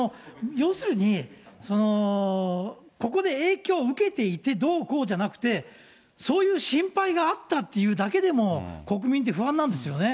要するに、ここで影響を受けていてどうこうじゃなくて、そういう心配があったっていうだけでも、国民って不安なんですよね。